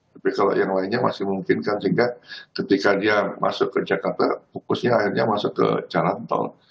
tapi kalau yang lainnya masih memungkinkan sehingga ketika dia masuk ke jakarta fokusnya akhirnya masuk ke jalan tol